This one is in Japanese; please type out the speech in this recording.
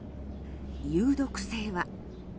有毒性は？